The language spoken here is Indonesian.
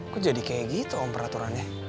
kok jadi kayak gitu om peraturannya